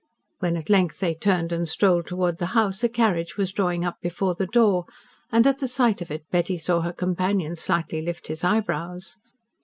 When, at length, they turned and strolled towards the house, a carriage was drawing up before the door, and at the sight of it, Betty saw her companion slightly lift his eyebrows.